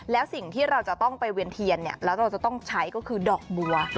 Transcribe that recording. แล้วสิ่งที่เราจะต้องไปเวียนเทียนแล้วเราจะต้องใช้ก็คือดอกบัว